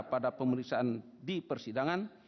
pada pemeriksaan di persidangan